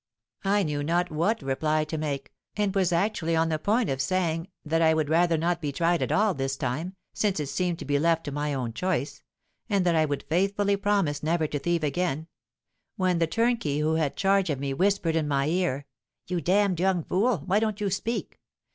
_'—I knew not what reply to make, and was actually on the point of saying 'that I would rather not be tried at all this time, since it seemed to be left to my own choice; and that I would faithfully promise never to thieve again,'—when the turnkey who had charge of me, whispered in my ear, 'You damned young fool, why don't you speak?